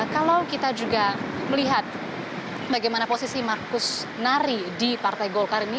kalau kita juga melihat bagaimana posisi markus nari di partai golkar ini